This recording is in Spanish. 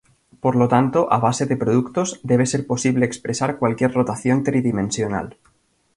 Por lo tanto, a base de productos, debe ser posible expresar cualquier rotación tridimensional.